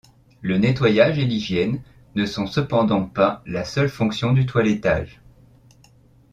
Le nettoyage et l'hygiène ne sont cependant pas la seule fonction du toilettage.